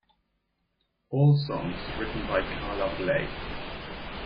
All songs written by Carla Bley.